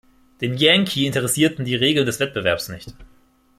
Den Yankee interessierten die Regeln des Wettbewerbs nicht.